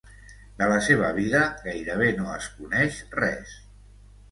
De la seva vida gairebé no es coneix res.